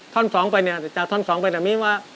ท่อน๒ไปเนี่ยจากท่อน๒ไปแต่มีว่า